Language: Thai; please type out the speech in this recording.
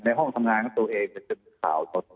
ห้องทำงานของตัวเองจะเป็นข่าวสด